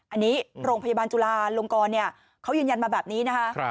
อันนี้โรงพยาบาลจุลาลงกรเขายืนยันมาแบบนี้นะคะ